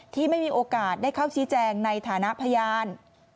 ไม่มีโอกาสได้เข้าชี้แจงในฐานะพยาน